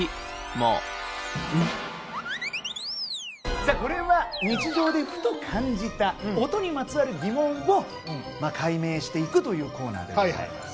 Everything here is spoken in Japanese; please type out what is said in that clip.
さあこれは日常でふと感じた音にまつわる疑問を解明していくというコーナーでございます。